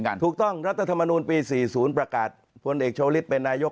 ถูกต้องรัฐธรรมนูลปี๔๐ประกาศผลเอกชาวฤทธิเป็นนายก